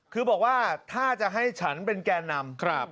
คือบอกว่าถ้าจะให้ฉันเป็นแก่นำ